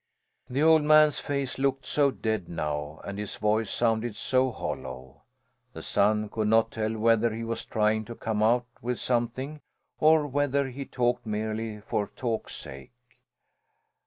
The old man's face looked so dead now, and his voice sounded so hollow! The son could not tell whether he was trying to come out with something or whether he talked merely for talk's sake.